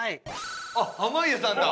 あっ濱家さんだ！